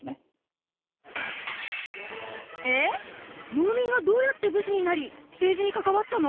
農民がどうやって武士になり政治にかかわったの？